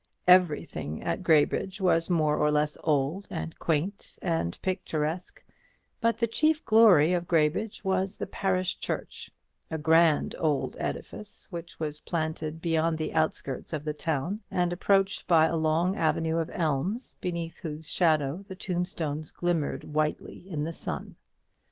Everything at Graybridge was more or less old and quaint and picturesque; but the chief glory of Graybridge was the parish church; a grand old edifice which was planted beyond the outskirts of the town, and approached by a long avenue of elms, beneath whose shadow the tombstones glimmered whitely in the sun.